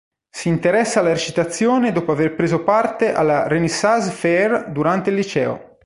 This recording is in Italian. Si interessa alla recitazione dopo aver preso parte alla Renaissance fair durante il liceo.